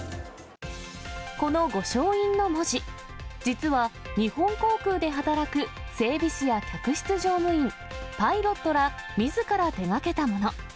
この御翔印の文字、実は、日本航空で働く整備士や客室乗務員、パイロットがみずから手がけたもの。